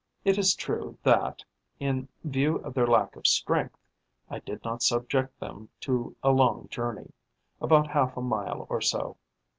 It is true that, in view of their lack of strength, I did not subject them to a long journey: about half a mile or so.